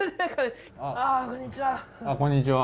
ああこんにちは。